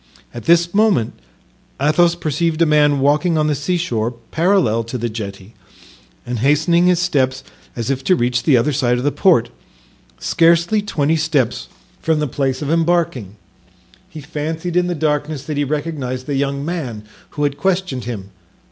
At this moment Athos perceived a man walking on the seashore parallel to the jetty, and hastening his steps, as if to reach the other side of the port, scarcely twenty steps from the place of embarking. He fancied in the darkness that he recognized the young man who had questioned him.